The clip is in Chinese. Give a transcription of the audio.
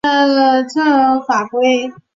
伊斯兰教法学补足沙里亚法规。